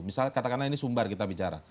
misal katakanlah ini sumbar kita bicara